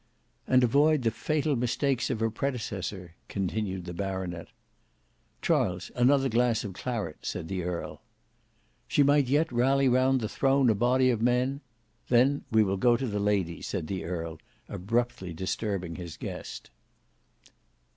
"And avoid the fatal mistakes of her predecessor," continued the baronet. "Charles, another glass of claret," said the earl. "She might yet rally round the throne a body of men"— "Then we will go to the ladies," said the earl, abruptly disturbing his guest.